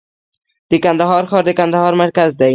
د کندهار ښار د کندهار مرکز دی